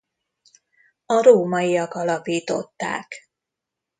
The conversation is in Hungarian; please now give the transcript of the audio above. A rómaiak alapították.